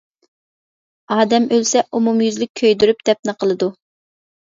ئادەم ئۆلسە ئومۇميۈزلۈك كۆيدۈرۈپ دەپنە قىلىدۇ.